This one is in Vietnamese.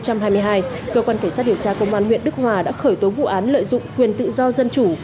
cơ quan cảnh sát điều tra công an huyện đức hòa đã khởi tố vụ án lợi dụng quyền tự do dân chủ